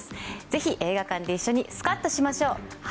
ぜひ映画館で一緒にスカッとしましょう！